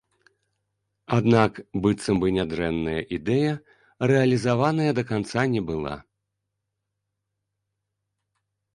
Аднак быццам бы нядрэнная ідэя рэалізаваная да канца не была.